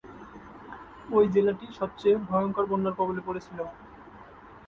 ওই জেলাটি সবচেয়ে ভয়ঙ্কর বন্যার কবলে পড়েছিল।